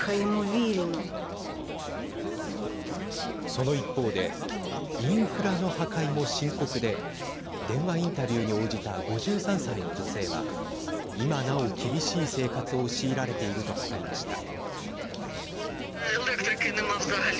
その一方でインフラの破壊も深刻で電話インタビューに応じた５３歳の女性は今なお厳しい生活を強いられていると語りました。